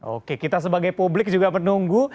oke kita sebagai publik juga menunggu